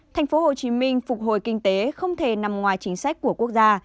thành phố hồ chí minh phục hồi kinh tế không thể nằm ngoài chính sách của quốc gia